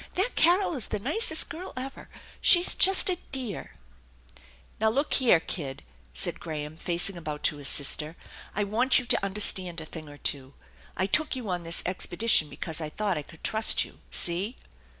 That Carol is the nicest girl ever. She's just a dear !"" Now, look here, kid/' said Graham, facing about to his sister. "I want you to understand a thing or two. I took you on this expedition because I thought I could trust you. See?"